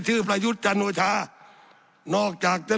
สับขาหลอกกันไปสับขาหลอกกันไป